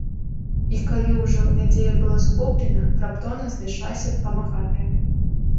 І калі ўжо надзея была згублена, раптоўна знайшлася памагатая.